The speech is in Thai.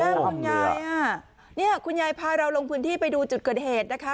งอนงายอ่ะเนี่ยคุณยายพาเราลงพื้นที่ไปดูจุดเกิดเหตุนะคะ